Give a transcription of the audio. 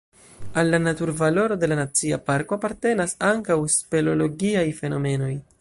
Al la naturvaloro de la nacia parko apartenas ankaŭ speleologiaj fenomenoj.